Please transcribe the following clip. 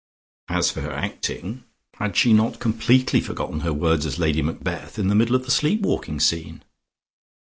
As for her acting, had she not completely forgotten her words as Lady Macbeth in the middle of the sleep walking scene?